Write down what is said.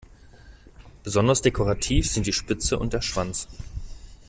Besonders dekorativ sind die Spitze und der Schwanz.